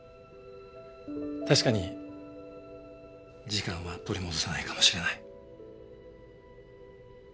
確かに時間は取り戻せないかもしれない。